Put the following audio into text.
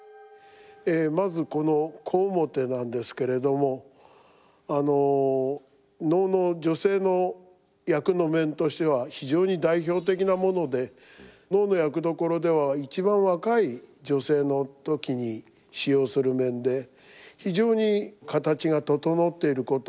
まずこの小面なんですけれども能の女性の役の面としては非常に代表的なもので能の役どころでは一番若い女性の時に使用する面で非常に形が整っていること。